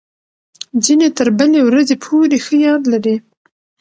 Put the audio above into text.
ځینې تر بلې ورځې پورې ښه یاد لري.